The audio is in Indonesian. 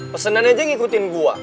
pesenan aja yang ngikutin gua